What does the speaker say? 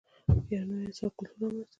یو نوی نسل او کلتور رامینځته شو